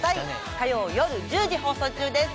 火曜よる１０時放送中です